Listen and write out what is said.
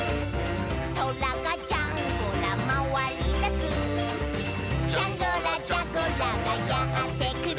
「そらがジャンゴラまわりだす」「ジャンゴラ・ジャゴラがやってくる」